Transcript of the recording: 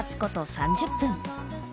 ３０分